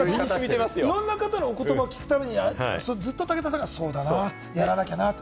いろんな方のお言葉を聞くためにずっと武田さんが、そうだな、やらなきゃなと。